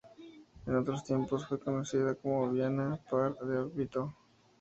En otros tiempos fue conocida como Viana-a-par-de-Alvito.